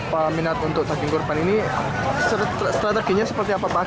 pak minat untuk daging kurban ini strateginya seperti apa pak